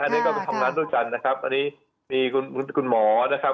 อันนี้ก็ทำงานด้วยกันนะครับอันนี้มีคุณคุณหมอนะครับ